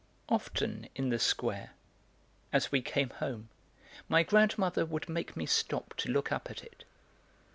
Often in the Square, as we came home, my grandmother would make me stop to look up at it.